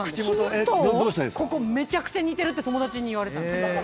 ここめちゃくちゃ似てるって友達に言われた。